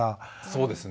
そうですね。